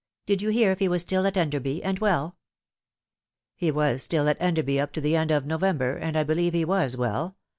Did you hear if he was still at Enderby and well ?"" He was still at Enderby up to the end of November, and I believe he was well.